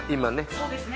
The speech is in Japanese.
そうですね。